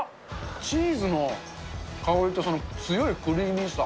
チーズの香りとその強いクリーミーさ。